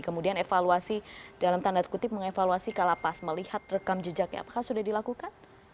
kemudian evaluasi dalam tanda kutip mengevaluasi kalapas melihat rekam jejaknya apakah sudah dilakukan